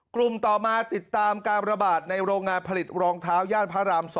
กลุ่มต่อมาติดตามการระบาดในโรงงานผลิตรองเท้าย่านพระราม๒